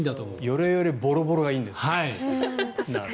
よれよれボロボロがいいんですよね。